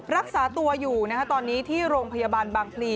รักษาตัวอยู่นะคะตอนนี้ที่โรงพยาบาลบางพลี